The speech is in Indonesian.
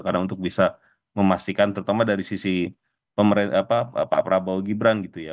karena untuk bisa memastikan terutama dari sisi pak prabowo gibran gitu ya